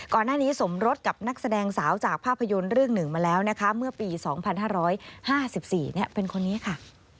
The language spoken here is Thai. สมรสกับนักแสดงสาวจากภาพยนตร์เรื่องหนึ่งมาแล้วนะคะเมื่อปี๒๕๕๔เป็นคนนี้ค่ะ